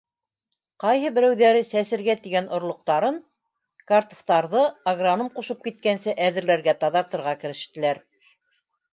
Ҡайһы берәүҙәре сәсергә тигән орлоҡтарын, картуфтарҙы агроном ҡушып киткәнсә әҙерләргә, таҙартырға керештеләр.